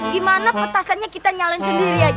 gimana petasannya kita nyalain sendiri aja